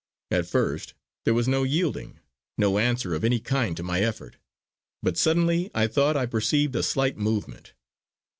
At first there was no yielding, no answer of any kind to my effort; but suddenly I thought I perceived a slight movement.